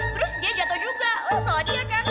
terus dia jatuh juga salah dia kan